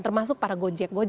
termasuk para gojek